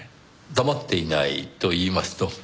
「黙っていない」といいますと？